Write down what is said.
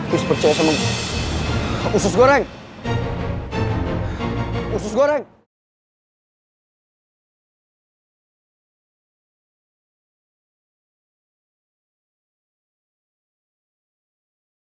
terima kasih udah nonton